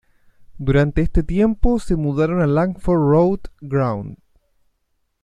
Durante este tiempo se mudaron a Langford Road Ground.